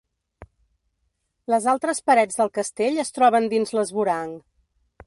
Les altres parets del castell es troben dins l'esvoranc.